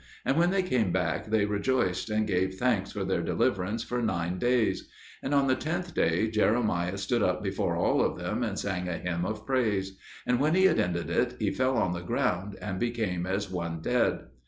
And when they came back, they rejoiced and gave thanks for their deliverance for nine days. And on the tenth day Jeremiah stood up before all of them and sang a hymn of praise; and when he had ended it, he fell on the ground and became as one dead.